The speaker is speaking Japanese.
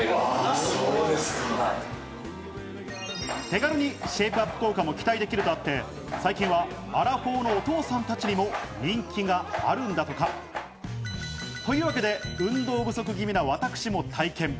手軽にシェイプアップ効果も期待できるとあって、最近はアラフォーのお父さんたちにも人気があるんだとか。というわけで運動不足気味な私も体験。